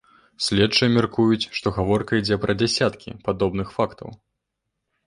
Следчыя мяркуюць, што гаворка ідзе пра дзясяткі падобных фактаў.